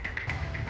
kambi nya dulu deh